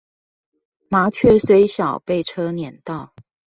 麻雀雖小，被車輾到